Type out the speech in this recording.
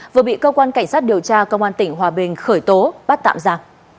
vừa bị cơ quan cảnh sát điều tra công an tỉnh hòa bình khởi tố bắt tạm ra